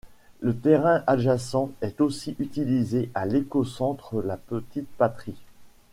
Le terrain adjacent est aussi utilisé par l'Écocentre La Petite-Patrie.